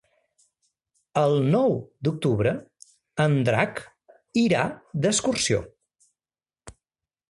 El nou d'octubre en Drac irà d'excursió.